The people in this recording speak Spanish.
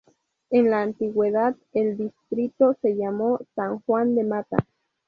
En la antigüedad el distrito se llamó "San Juan de Mata".